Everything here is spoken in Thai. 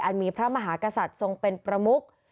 มีพระมหากษัตริย์ทรงเป็นประมุก